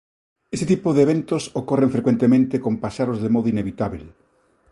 Este tipo de eventos ocorren frecuentemente con paxaros de modo inevitábel.